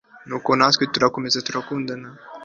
Inzozi zawe zirashobora kuba impamo umwanya uwariwo wose.